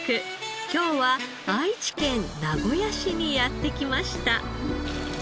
今日は愛知県名古屋市にやって来ました。